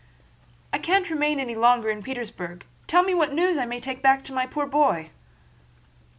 "I can't remain any longer in Petersburg. Tell me what news I may take back to my poor boy."